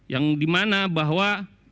yang dimana bahwa